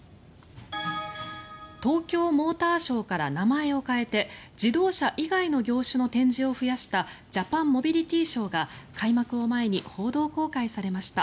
東京モーターショーから名前を変えて自動車以外の業種の展示を増やしたジャパンモビリティショーが開幕を前に報道公開されました。